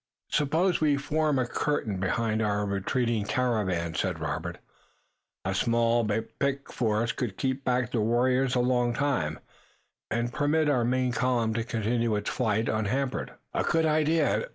"Suppose we form a curtain behind our retreating caravan," said Robert. "A small but picked force could keep back the warriors a long time, and permit our main column to continue its flight unhampered." "A good idea!